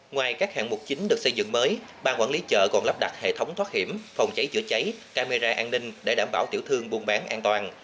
ngoài các hạng mục chính được xây dựng mới ban quản lý chợ còn lắp đặt hệ thống thoát hiểm phòng cháy chữa cháy camera an ninh để đảm bảo tiểu thương buôn bán an toàn